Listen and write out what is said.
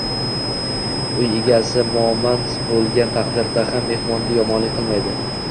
Uy egasi momand bo’lgan taqdirda ham mehmonga yomonlik qilmaydi.